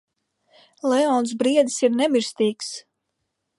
Leons Briedis ir nemirstīgs!